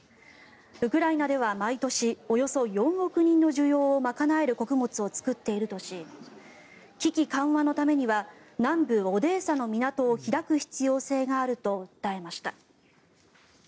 ウクライナでは毎年およそ４億人の需要を賄える穀物を作っているとし危機緩和のためには南部オデーサの港を開く必要性があると訴えました。